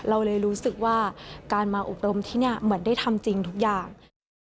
เราเลยรู้สึกว่าการมาอบรมที่นี่เหมือนได้ทำจริงทุกอย่าง